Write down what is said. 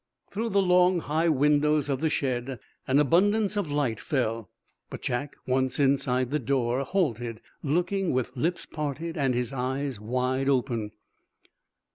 Through the long, high windows of the shed an abundance of light fell. But Jack, once inside the door, halted, looking with lips parted and eyes wide open.